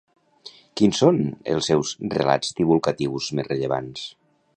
Quins són els seus relats divulgatius més rellevants?